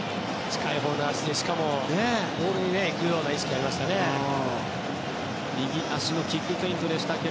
近いほうの足でしかもゴールに行くような意識がありましたね。